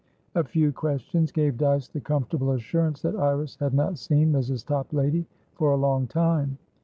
A few questions gave Dyce the comfortable assurance that Iris had not seen Mrs. Toplady for a long time.